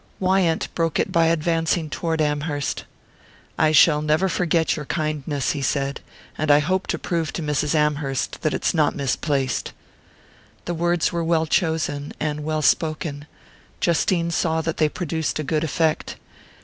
Wyant broke it by advancing toward Amherst. "I shall never forget your kindness," he said; "and I hope to prove to Mrs. Amherst that it's not misplaced." The words were well chosen, and well spoken; Justine saw that they produced a good effect.